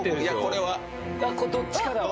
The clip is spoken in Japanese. これどっちかだわ。